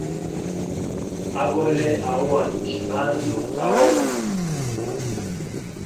Agole hauandisha bandu kaoli.